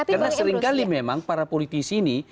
karena seringkali memang para politisi ini